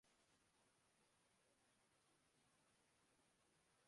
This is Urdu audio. یہ معاملہ کسی نواز شریف یا راحیل شریف کا نہیں ہے۔